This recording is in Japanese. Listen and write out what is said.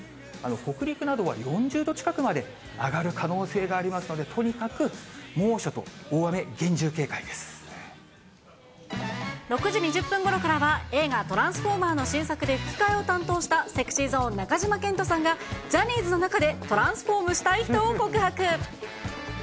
北陸などは４０度近くまで上がる可能性がありますので、６時２０分ごろからは、映画、トランスフォーマーの新作で吹き替えを担当したＳｅｘｙＺｏｎｅ・中島健人さんが、ジャニーズの中でトランスフォームしたい人を告白。